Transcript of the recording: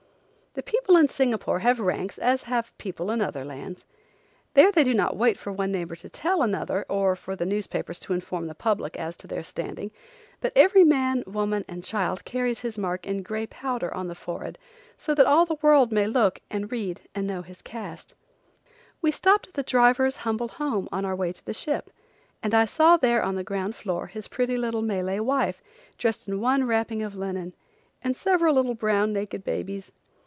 The people in Singapore have ranks as have people in other lands. There they do not wait for one neighbor to tell another or for the newspapers to inform the public as to their standing but every man, woman, and child carries his mark in gray powder on the forehead so that all the world may look and read and know his caste. We stopped at the driver's humble home on our way to the ship and I saw there on the ground floor, his pretty little Malay wife dressed in one wrapping of linen, and several little brown naked babies.